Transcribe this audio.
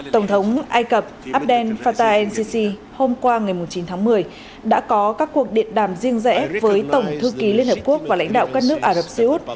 tổng thống ai cập abdel fattah el sisi hôm qua ngày chín tháng một mươi đã có các cuộc điện đàm riêng rẽ với tổng thư ký liên hợp quốc và lãnh đạo các nước ả rập xê út